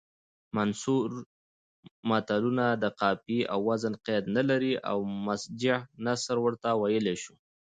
منثور متلونه د قافیې او وزن قید نلري او مسجع نثر ورته ویلی شو